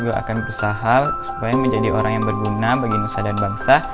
gue akan berusaha supaya menjadi orang yang berguna bagi nusa dan bangsa